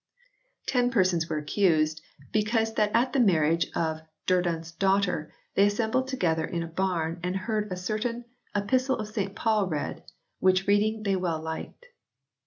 Ten persons were accused " because that at the marriage of Durdant s daughter they assembled together in a barn and heard a certain Epistle of St Paul read, which reading they well liked."